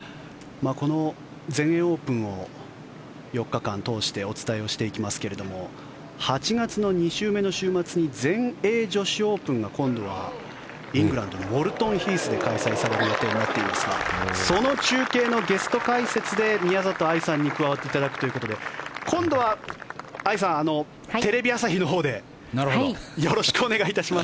これからキャントレーがバーディーパットを打っていくところですがこの全英オープンを４日間通してお伝えしていきますが８月の２週目の週末に全英女子オープンが今度はイングランドのウォルトンヒースで開催される予定になっていますがその中継のゲスト解説で宮里藍さんに加わっていただくということで今度は藍さんテレビ朝日のほうでよろしくお願いいたします。